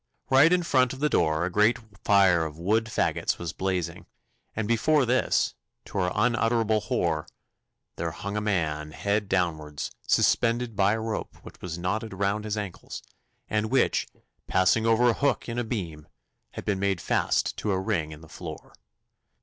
Right in front of the door a great fire of wood faggots was blazing, and before this, to our unutterable horror, there hung a man head downwards, suspended by a rope which was knotted round his ankles, and which, passing over a hook in a beam, had been made fast to a ring in the floor.